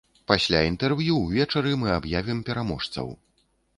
Пасля інтэрв'ю, увечары, мы аб'явім пераможцаў!